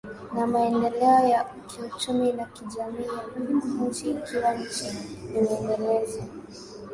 na maendeleo ya kiuchumi na kijamii ya nchi Ikiwa nchi imeendelezwa